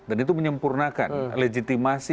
dan itu menyempurnakan legitimasi